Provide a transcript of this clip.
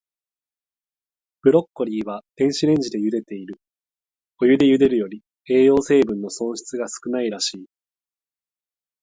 ブロッコリーは、電子レンジでゆでている。お湯でゆでるより、栄養成分の損失が少ないらしい。